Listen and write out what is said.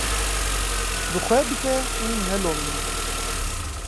Bi xwe bike û nelomîne.